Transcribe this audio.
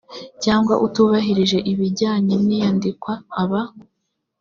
cyangwa utubahirije ibijyanye n iyandikwa aba